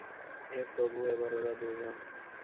হে প্রভু, এবার ওরা দুজন।